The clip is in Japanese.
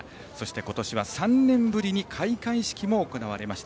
今年は３年ぶりに開会式も行われました。